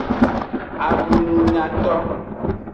Adungunyato.